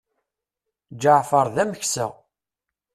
Ǧeɛfer d ameksa.